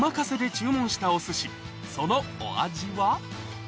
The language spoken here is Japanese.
そのお味は？